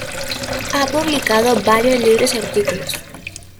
Ha publicado varios libros y artículos.